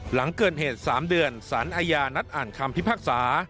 หลังเกิดเหตุ๓เดือนสารอาญานัดอ่านคำพิพากษา